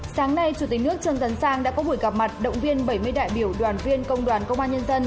sáng nay chủ tịch nước trần tấn sang đã có buổi gặp mặt động viên bảy mươi đại biểu đoàn viên công đoàn công an nhân dân